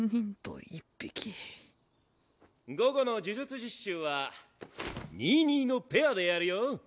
午後の呪術実習は２ー２のペアでやるよ。